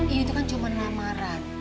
ini tuh kan cuma lamaran